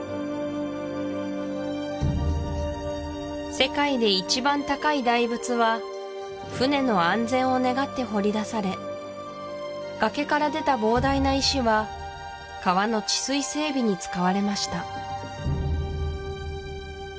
世界で一番高い大仏は船の安全を願って彫り出され崖から出た膨大な石は川の治水整備に使われました